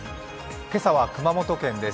今朝は熊本県です。